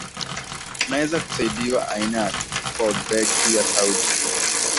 unaweza kusaidiwa aina ya kodeki ya sauti